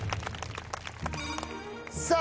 さあ